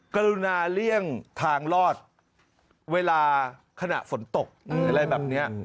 กรุณาเลี่ยงทางรอดเวลาขณะฝนตกหรืออะไรแบบนี้